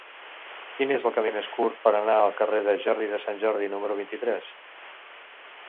Quin és el camí més curt per anar al carrer de Jordi de Sant Jordi número vint-i-tres?